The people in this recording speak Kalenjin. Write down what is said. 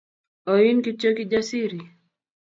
Oin kityoKijasiri